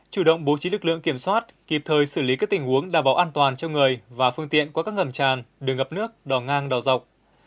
chủ động bố trí lực lượng kiểm soát kịp thời xử lý các tình huống đảm bảo an toàn cho người và phương tiện qua các ngầm tràn đường ngập nước đỏ ngang đỏ dọc